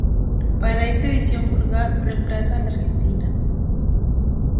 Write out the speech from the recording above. Para esta edición Bulgaria reemplaza a la Argentina.